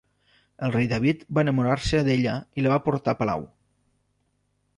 El Rei David va enamorar-se d'ella i la va portar a palau.